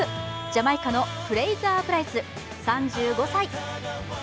ジャマイカのフレイザー・プライス３５歳。